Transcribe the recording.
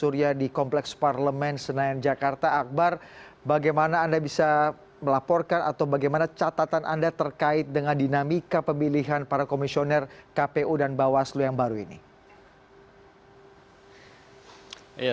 riko ardi cnn indonesia